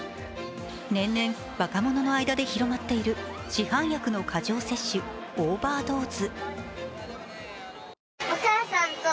年々、若者の間で広まっている市販薬の過剰摂取＝オーバードーズ。